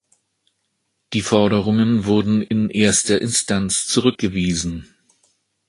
Die Forderungen wurden in erster Instanz zurückgewiesen.